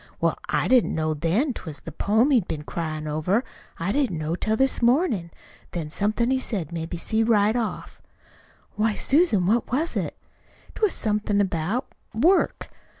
"Well, I didn't know then that't was the poem he'd been cryin' over. I didn't know till this mornin'. Then somethin' he said made me see right off." "Why, Susan, what was it?" "It was somethin' about work.